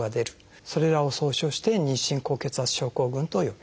それらを総称して「妊娠高血圧症候群」と呼びます。